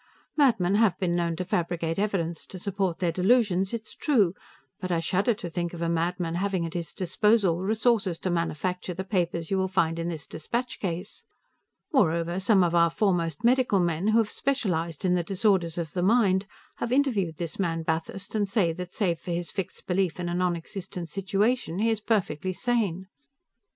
Madmen have been known to fabricate evidence to support their delusions, it is true, but I shudder to think of a madman having at his disposal the resources to manufacture the papers you will find in this dispatch case. Moreover, some of our foremost medical men, who have specialized in the disorders of the mind, have interviewed this man Bathurst and say that, save for his fixed belief in a nonexistent situation, he is perfectly sane.